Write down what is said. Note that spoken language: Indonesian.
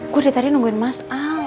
gue dari tadi nungguin mas al